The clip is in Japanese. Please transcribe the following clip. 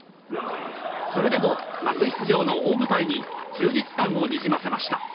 それでも初出場の大舞台に充実感をにじませました。